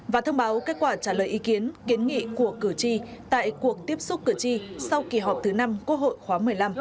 và thông báo kết quả trả lời ý kiến kiến nghị của cử tri tại cuộc tiếp xúc cử tri sau kỳ họp thứ năm quốc hội khóa một mươi năm